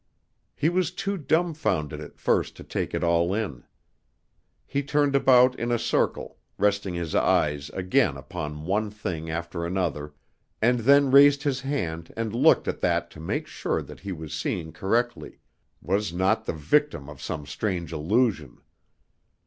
He was too dumbfounded at first to take it all in. He turned about in a circle, resting his eyes again upon one thing after another, and then raised his hand and looked at that to make sure that he was seeing correctly was not the victim of some strange illusion.